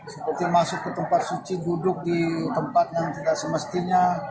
seperti masuk ke tempat suci duduk di tempat yang tidak semestinya